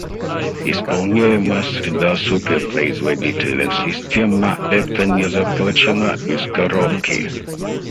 Исполняемая среда супер-производительных систем на это не заточена «из коробки»